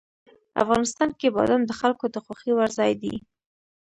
افغانستان کې بادام د خلکو د خوښې وړ ځای دی.